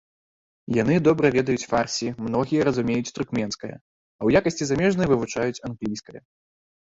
Яны добра ведаюць фарсі, многія разумеюць туркменская, а ў якасці замежнай вывучаюць англійская.